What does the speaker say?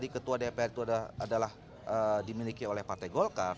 ketua dpr itu adalah dimiliki oleh partai golkar